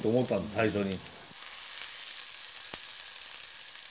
最初に。